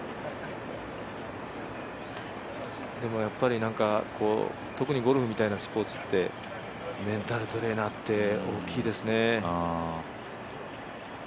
でもやっぱり、なんか特にゴルフみたいなスポーツってメンタルトレーナーって大きいですね。